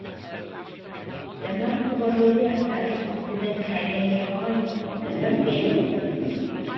Dyma'r cyfarwyddiadau fydd yn cael eu rhoi gyda'r gêm.